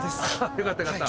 よかったよかった。